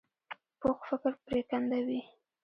پوخ فکر پرېکنده وي